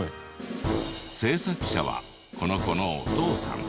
製作者はこの子のお父さん。